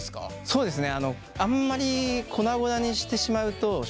そうですね。